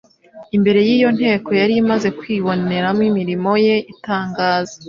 imbere y’iyo nteko yari imaze kwibonera imirimo ye itangaza.